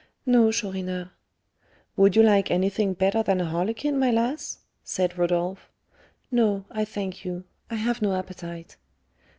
"No, Chourineur." "Would you like anything better than a harlequin, my lass?" said Rodolph. "No, I thank you; I have no appetite."